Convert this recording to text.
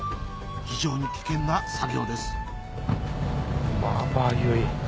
非常に危険な作業ですまばゆい。